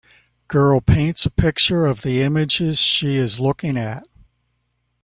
Girl paints a picture of the images she is looking at.